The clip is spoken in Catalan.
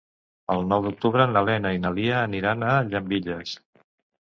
El nou d'octubre na Lena i na Lia aniran a Llambilles.